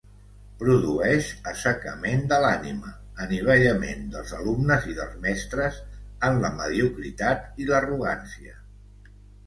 Produeix assecament de l'ànima, anivellament dels alumnes i dels mestres en la mediocritat i l'arrogància.